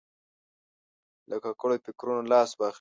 له ککړو فکرونو لاس واخلي.